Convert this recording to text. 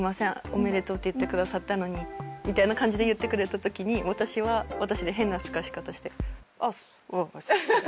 「おめでとうって言ってくださったのに」みたいな感じで言ってくれた時に私は私で変なスカし方して「あっすおおっす」